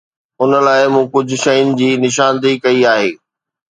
ان لاءِ مون ڪجهه شين جي نشاندهي ڪئي آهي.